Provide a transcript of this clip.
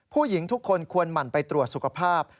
ผู้หญิงทุกคนควรหมั่นไปตรวจสุขภาพ